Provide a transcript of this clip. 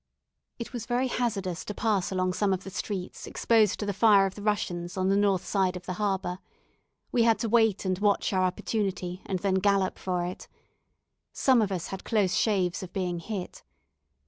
It was very hazardous to pass along some of the streets exposed to the fire of the Russians on the north side of the harbour. We had to wait and watch our opportunity, and then gallop for it. Some of us had close shaves of being hit.